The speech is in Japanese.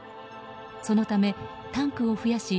そのため、タンクを増やし